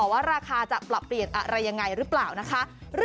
ว่าราคาจะปรับเปลี่ยนอะไรยังไงหรือเปล่านะคะ